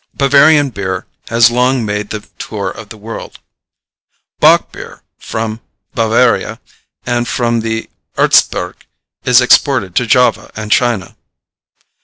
Bavarian beer has long made the tour of the world. Bock beer from Bavaria and from the Erzgebirge is exported to Java and China.